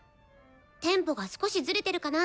テンポが少しズレてるかな。